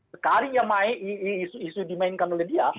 sekali yang isu isu dimainkan oleh dia